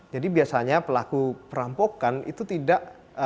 jadi biasanya pelaku perampokan itu tidak